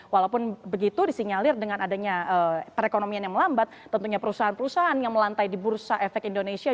walaupun begitu disinyalir dengan adanya perekonomian yang melambat tentunya perusahaan perusahaan yang melantai di bursa efek indonesia